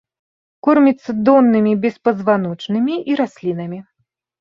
Корміцца доннымі беспазваночнымі і раслінамі.